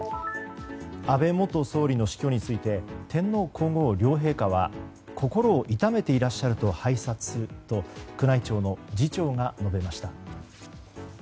安倍元総理の死去について天皇・皇后両陛下は心を痛めていらっしゃると拝察すると宮内庁の次長が述べました。